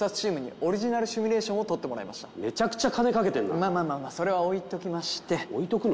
はいまあまあそれは置いときまして置いとくの？